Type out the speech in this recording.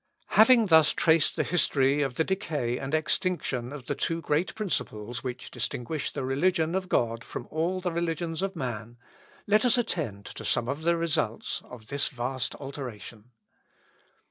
Having thus traced the history of the decay and extinction of the two great principles which distinguish the religion of God from all the religions of man, let us attend to some of the results of this vast alteration.